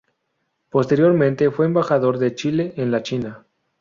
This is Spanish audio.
Posteriormente fue embajador de Chile en la China.